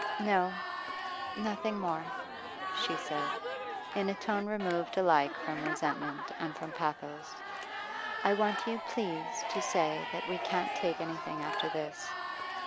'No, nothing more,' she said, in a tone removed alike from resentment and from pathos; 'I want you, please, to say that we can t take anything after this.